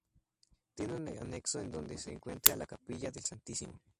Tiene un anexo en donde se encuentra la capilla del Santísimo.